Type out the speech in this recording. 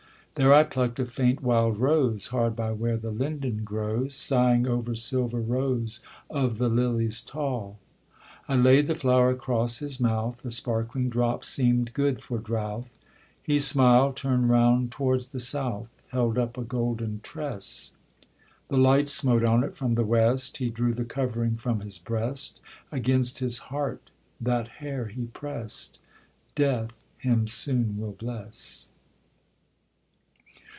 There I pluck'd a faint wild rose, Hard by where the linden grows, Sighing over silver rows Of the lilies tall. I laid the flower across his mouth; The sparkling drops seem'd good for drouth; He smiled, turn'd round towards the south. Held up a golden tress. The light smote on it from the west; He drew the covering from his breast, Against his heart that hair he prest; Death him soon will bless.